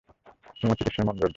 তোমার চিকিৎসায় মনোযোগ দাও।